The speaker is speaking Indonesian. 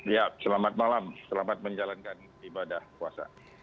ya selamat malam selamat menjalankan ibadah puasa